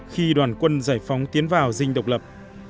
khi đoàn quân giải phóng tiến vào dinh độc lập